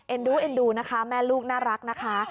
ดูเอ็นดูนะคะแม่ลูกน่ารักนะคะ